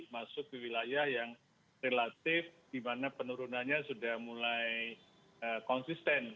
masuk ke wilayah yang relatif dimana penurunannya sudah mulai konsisten